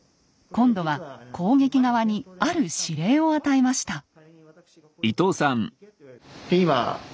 今度は攻撃側にある指令を与えました。